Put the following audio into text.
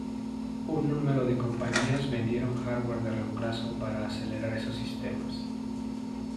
Un número de compañías vendieron hardware de reemplazo para acelerar esos sistemas.